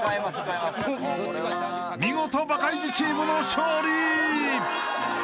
［見事バカイジチームの勝利］